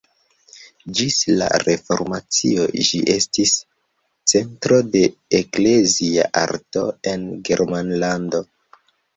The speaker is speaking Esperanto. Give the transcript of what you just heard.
Ĝis la Reformacio ĝi estis centro de eklezia arto en Germanlando.